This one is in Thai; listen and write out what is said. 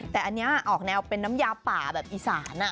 แต่อันนี้ออกแนวเป็นน้ำยาป่าแบบอีสาน